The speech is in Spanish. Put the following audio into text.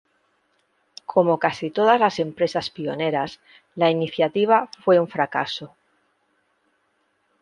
Como casi todas las empresas pioneras, la iniciativa fue un fracaso.